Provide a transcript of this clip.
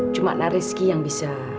cuma nak reski yang bisa